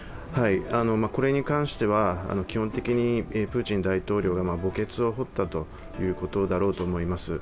これに関しては、基本的にプーチン大統領が墓穴を掘ったということだろうと思います。